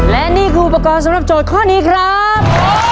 และนี่คืออุปกรณ์สำหรับโจทย์ข้อนี้ครับ